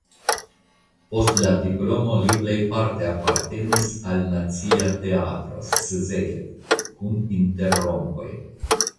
Post la diplomo li plejparte apartenis al Nacia Teatro (Szeged) kun interrompoj.